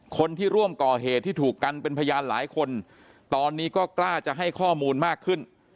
คนที่ร่วมก่อเหตุที่ถูกกันเป็นพยานหลายคนตอนนี้ก็กล้าจะให้ข้อมูลมากขึ้น